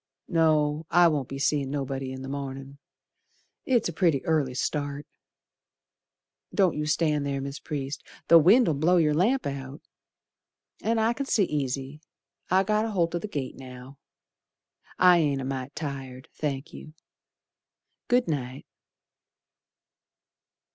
No, I won't be seein' nobody in the mornin', It's a pretty early start. Don't you stand ther, Mis' Priest, The wind'll blow yer lamp out, An' I c'n see easy, I got aholt o' the gate now. I ain't a mite tired, thank you. Good night.